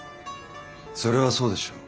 それはそうでしょう。